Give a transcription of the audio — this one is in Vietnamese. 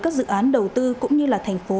các dự án đầu tư cũng như là thành phố